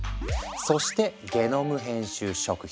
そしてゲノム編集食品。